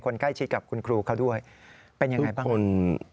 ใกล้ชิดกับคุณครูเขาด้วยเป็นยังไงบ้างคุณ